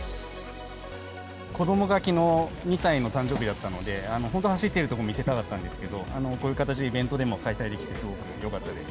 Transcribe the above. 子どもがきのう、２歳の誕生日だったので、本当は走っているところ、見せたかったんですけども、こういう形でイベントでも開催できて、すごくよかったです。